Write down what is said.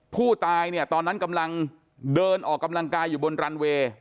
ผู้ตายเนี่ยตอนนั้นกำลังเดินออกกำลังกายอยู่บนรันเวย์